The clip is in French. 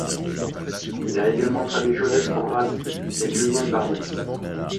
Il a également traduit Joseph Conrad et Julian Barnes.